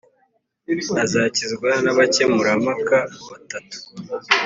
azakizwa n abakemurampaka batatu